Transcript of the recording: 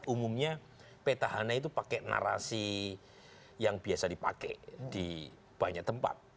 umumnya petahana itu pakai narasi yang biasa dipakai di banyak tempat